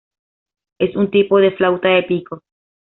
Es un tipo de flauta de pico.